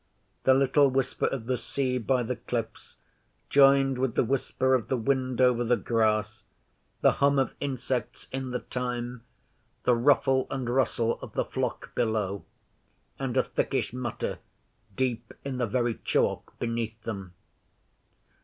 The little whisper of the sea by the cliffs joined with the whisper of the wind over the grass, the hum of insects in the thyme, the ruffle and rustle of the flock below, and a thickish mutter deep in the very chalk beneath them.